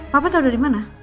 papa tahu dari mana